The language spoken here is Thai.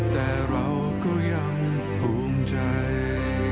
แต่เราก็ยังภูมิใจ